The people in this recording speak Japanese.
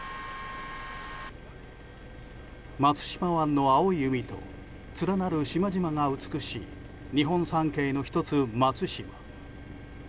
松島湾の青い海と連なる島々が美しい日本三景の１つ、松島。